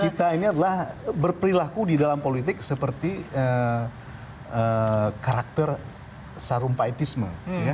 itu adalah berperilaku di dalam politik seperti karakter sarumpayentisme